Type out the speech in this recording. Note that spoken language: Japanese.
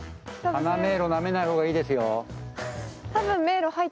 花迷路なめない方がいいですよ。